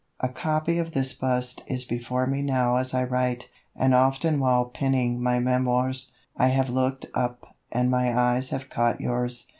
A copy of this bust is before me now as I write, and often while penning my "Memoirs," I have looked up and my eyes have caught yours.